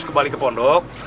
kembali ke pondok